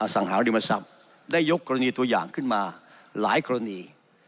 สังหาริมทรัพย์ได้ยกกรณีตัวอย่างขึ้นมาหลายกรณี